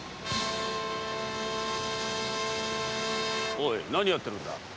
おい何やってるんだ？